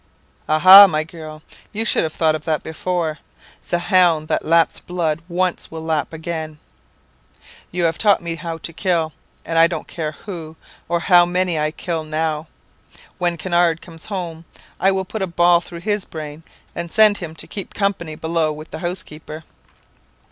"'Aha, my girl! you should have thought of that before. The hound that laps blood once will lap again. You have taught me how to kill, and I don't care who, or how many I kill now. When Kinnaird comes home I will put a ball through his brain, and send him to keep company below with the housekeeper.'